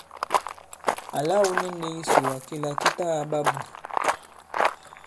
Àla wu ni ndī kisùwà kila ki ta kaɓa bù !